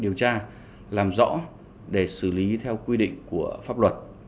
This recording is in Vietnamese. điều tra làm rõ để xử lý theo quy định của pháp luật